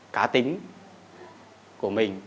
cá tính của mình